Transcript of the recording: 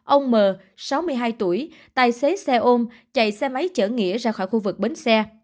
ông m sáu mươi hai tuổi tài xế xe ôm chạy xe máy chở nghĩa ra khỏi khu vực bến xe